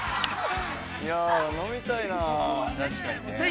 ◆いや、飲みたいなあ。